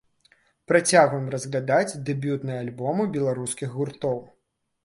Працягваем разглядаць дэбютныя альбомы беларускіх гуртоў.